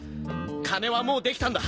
金はもうできたんだ